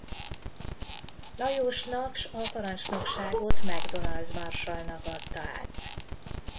Lajosnak s a parancsnokságot Macdonald marsallnak adta át.